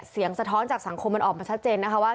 สะท้อนจากสังคมมันออกมาชัดเจนนะคะว่า